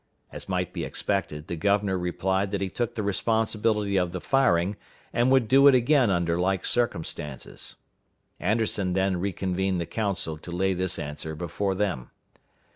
As might be expected, the governor replied that he took the responsibility of the firing, and would do it again under like circumstances. Anderson then reconvened the council to lay this answer before them.